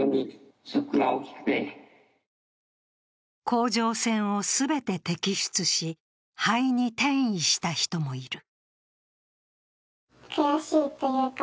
甲状腺を全て摘出し肺に転移した人もいる。